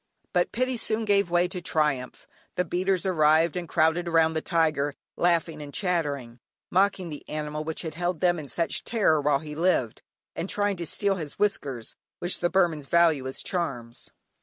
But pity soon gave way to triumph. The beaters arrived and crowded round the tiger, laughing and chattering; mocking the animal which had held them in such terror while he lived, and trying to steal his whiskers, which the Burmans value as charms.